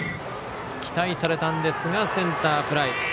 期待されたんですがセンターフライ。